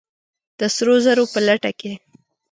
د سرو زرو په لټه کې!